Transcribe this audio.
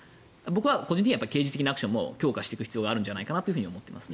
僕は個人的には刑事的なアクションも強化していく必要があるんじゃないかなと思っています。